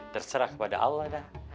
terserah kepada allah dah